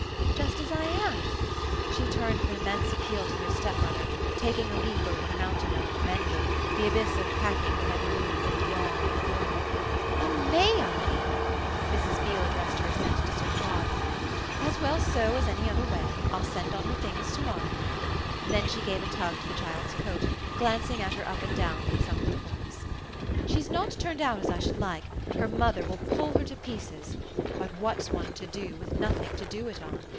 "Now just as I am?" She turned with an immense appeal to her stepmother, taking a leap over the mountain of "mending," the abyss of packing that had loomed and yawned before her. "Oh MAY I?" Mrs. Beale addressed her assent to Sir Claude. "As well so as any other way. I'll send on her things to morrow." Then she gave a tug to the child's coat, glancing at her up and down with some ruefulness. "She's not turned out as I should like her mother will pull her to pieces. But what's one to do with nothing to do it on?